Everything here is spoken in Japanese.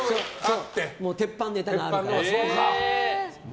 鉄板ネタがあるので。